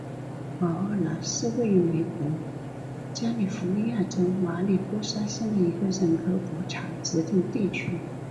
瓦沃纳是位于美国加利福尼亚州马里波萨县的一个人口普查指定地区。